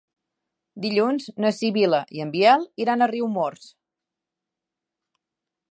Dilluns na Sibil·la i en Biel iran a Riumors.